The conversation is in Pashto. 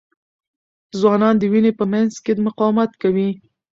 ځوانان د وینې په مینځ کې مقاومت کوي.